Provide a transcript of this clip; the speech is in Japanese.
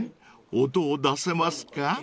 音を出せますか？］